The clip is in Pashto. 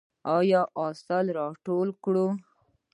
آیا حاصل ټول کړو؟